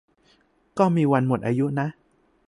ก็มีวันหมดอายุนะ